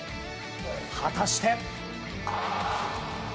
果たして。